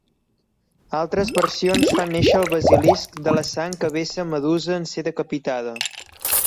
Altres versions fan néixer el Basilisc de la sang que vessa Medusa en ser decapitada.